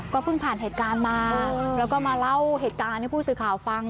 เพิ่งผ่านเหตุการณ์มาแล้วก็มาเล่าเหตุการณ์ให้ผู้สื่อข่าวฟัง